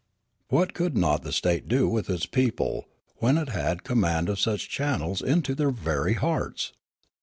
What could not the state do with its people, when it had command of such channels into their very hearts